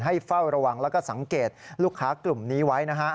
เฝ้าระวังแล้วก็สังเกตลูกค้ากลุ่มนี้ไว้นะฮะ